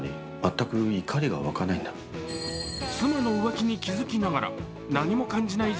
妻の浮気に気付きながら何も感じない